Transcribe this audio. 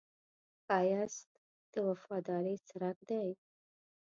ښایست د وفادارۍ څرک دی